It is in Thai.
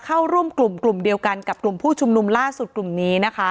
เข้าร่วมกลุ่มกลุ่มเดียวกันกับกลุ่มผู้ชุมนุมล่าสุดกลุ่มนี้นะคะ